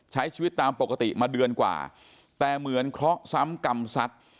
ใช้ชีวิตตามปกติมาเดือนกว่าแต่เหมือนเคราะห์ซ้ำกรรมสัตว์